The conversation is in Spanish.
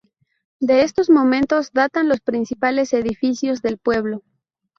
De estos momentos datan los principales edificios del pueblo.